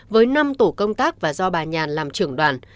với năm tổ công tác và do bà nhàn làm trưởng đoàn